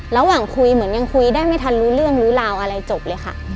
ระหว่างคุยเหมือนยังคุยได้ไม่ทันรู้เรื่องรู้ราวอะไรจบเลยค่ะ